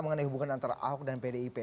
mengenai hubungan antara ahok dan pdip